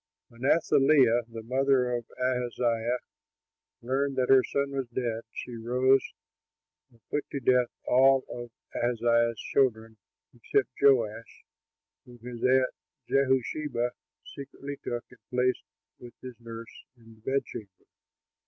When Athaliah, the mother of Ahaziah, learned that her son was dead, she rose and put to death all of Ahaziah's children except Joash, whom his aunt, Jehosheba, secretly took and placed with his nurse in the bedchamber.